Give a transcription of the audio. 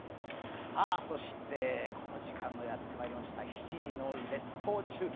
そして、この時間がやってきました、７時の列島中継。